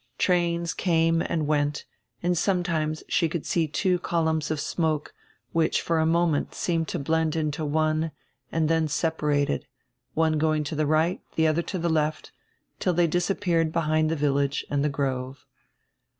Trains came and went and sometimes she could see two columns of smoke which for a moment seemed to blend into one and then separated, one going to die right, the other to die left, till diey disappeared behind die village and die grove.